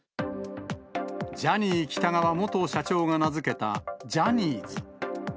ジャニー喜多川元社長が名付けたジャニーズ。